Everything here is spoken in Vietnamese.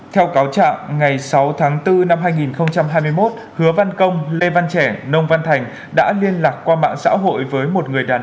theo cáo trạng ngày sáu tháng bốn năm hai nghìn hai mươi một hứa văn công lê văn trẻ nông văn thành đã liên lạc qua mạng xã hội với một người đàn ông